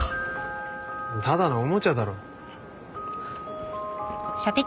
ただのおもちゃだろ。